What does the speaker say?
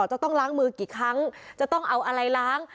จะต้องล้างมือกี่ครั้งจะต้องเอาอะไรล้าง